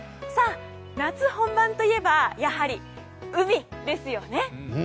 夏本番といえばやはり海ですよね。